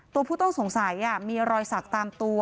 ตัวผู้ต้องสงสัยมีรอยสักตามตัว